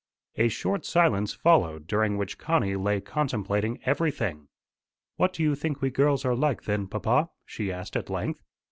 A short silence followed, during which Connie lay contemplating everything. "What do you think we girls are like, then, papa?" she asked at length.